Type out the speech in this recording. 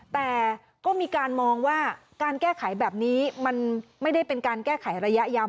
แต่ก็มีการมองว่าการแก้ไขแบบนี้มันไม่ได้เป็นการแก้ไขระยะยาว